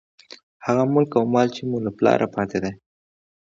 هغه ملک او مال، چې مو له پلاره پاتې دى.